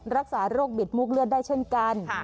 รักษาโรคบิดมูกเลือดได้เช่นกัน